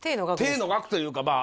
停の学というかまあ